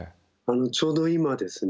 ちょうど今ですね